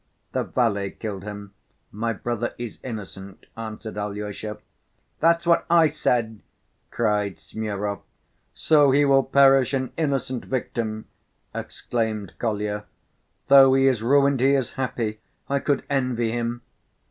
"The valet killed him, my brother is innocent," answered Alyosha. "That's what I said," cried Smurov. "So he will perish an innocent victim!" exclaimed Kolya; "though he is ruined he is happy! I could envy him!"